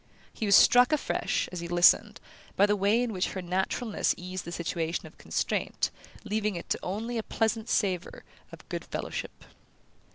He was struck afresh, as he listened, by the way in which her naturalness eased the situation of constraint, leaving to it only a pleasant savour of good fellowship.